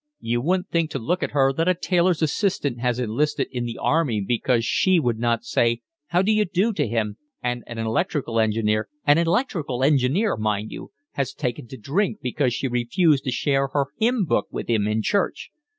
"You wouldn't think to look at her that a tailor's assistant has enlisted in the army because she would not say how d'you do to him and an electrical engineer, an electrical engineer, mind you, has taken to drink because she refused to share her hymn book with him in church.